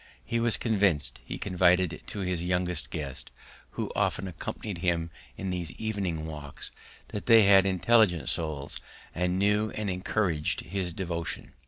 He was convinced, he confided to his young guest, who often accompanied him in these evening walks, that they had intelligent souls and knew and encouraged his devotion.